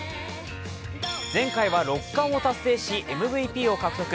前回は６冠を達成し、ＭＶＰを獲得。